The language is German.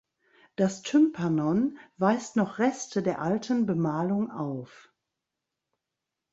Das Tympanon weist noch Reste der alten Bemalung auf.